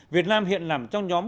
việt nam hiện nằm trong nhóm